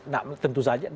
nah tentu saja